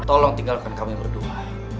tolong tinggalkan kami berdua